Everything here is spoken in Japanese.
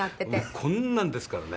もうこんなんですからね。